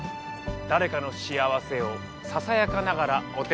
誰かの幸せをささやかながらお手伝い。